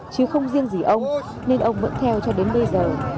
chứ không riêng gì ông nên ông vẫn theo cho đến nay